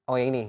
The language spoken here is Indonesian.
oh yang ini